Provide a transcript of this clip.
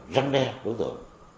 răn đe đối tượng